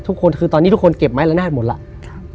ทุกคนคือตอนนี้ทุกคนเก็บไม้ละนาดหมดแล้ว